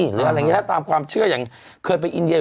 หรืออะไรอย่างนี้ตามความเชื่ออย่างเคยไปอินเดีย